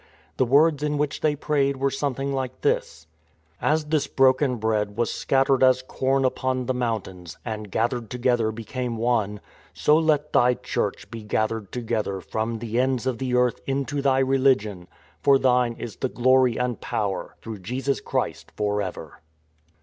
The words in which they prayed were something like these :" As this broken bread was scattered as corn upon the mountains; and, gathered together^ became one; " So let Thy Church be gathered together from the ends of the earth into Thy religion. illO IN TRAINING "For Thine is the glory and power, through Jesus Christ, for ever."